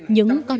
những con đường